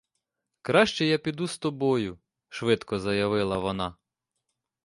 Краще я піду з тобою, — швидко заявила вона.